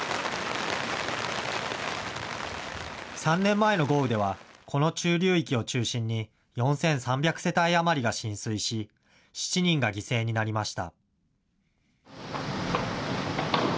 ３年前の豪雨ではこの中流域を中心に４３００世帯余りが浸水し７人が犠牲になりました。